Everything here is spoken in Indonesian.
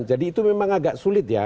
jadi itu memang agak sulit ya